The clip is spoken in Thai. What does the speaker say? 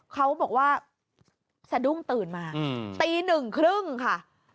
เขาบอกว่าสะดุ้งตื่นมาตี๑๓๐ค่ะ